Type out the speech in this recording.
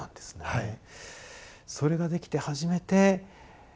はい。